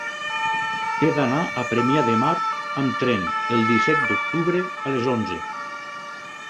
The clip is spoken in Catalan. He d'anar a Premià de Mar amb tren el disset d'octubre a les onze.